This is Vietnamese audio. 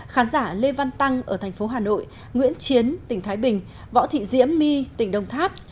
khán giả lê văn tăng ở thành phố hà nội nguyễn chiến tỉnh thái bình võ thị diễm my tỉnh đồng tháp